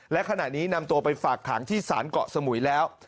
และขณะนี้นำตัวไปฝากขังที่ศาลเกาะสมุยแล้ว